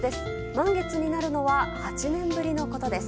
満月になるのは８年ぶりのことです。